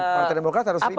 partai demokrat harus rebound